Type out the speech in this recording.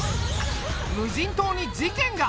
無人島に事件が！